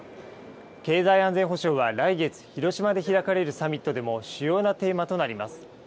経済安全保障は来月、広島で開かれるサミットでも主要なテーマとなります。